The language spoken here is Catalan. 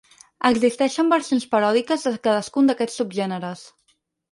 Existeixen versions paròdiques de cadascun d'aquests subgèneres.